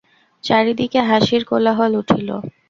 চারিদিকে হাসির কোলাহল উঠিল।